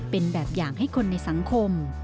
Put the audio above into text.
เป็นแบบอย่างให้คนในสังคม